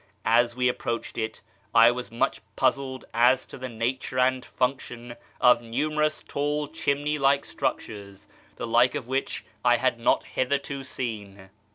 As we approached it, I was nuich puzzled as to the nature and function of numerous tall chimney like structures, the like of which I had not hitherto seen.